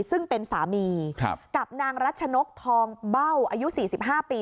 ซึ่งเป็นสามีครับกับนางรัชนกธอมเบ้าอายุสี่สิบห้าปี